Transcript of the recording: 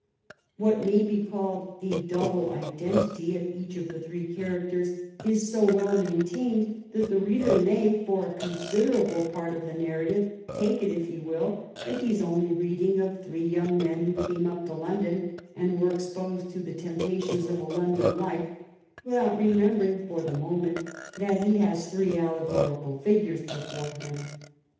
What may be called the double identity of each of the three characters is so well maintained that the reader may for a con siderable part of the narrative take it, if he will, that he is only reading of three young men who came up to London and were exposed to the temptations of a London life without remembering, for the moment, that he has three allegorical figures before him.